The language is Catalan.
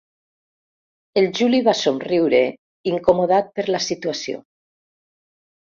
El Juli va somriure, incomodat per la situació.